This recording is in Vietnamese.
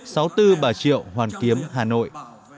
sáu mươi bốn bà triệu hoàn kiếm hà nội